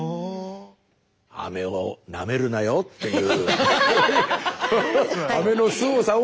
「アメをなめるなよ」という。